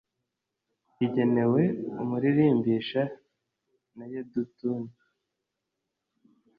igenewe umuririmbisha, na yedutuni